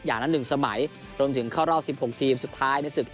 อย่างนั้นหนึ่งสมัยดึงเข้ารอบ๑๖ทีมสุดท้ายในศึก